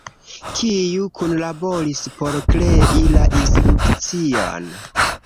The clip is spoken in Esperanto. Kiu kunlaboris por krei la instrukcion?